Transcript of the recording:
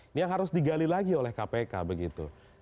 ini yang harus digali lagi oleh kpk begitu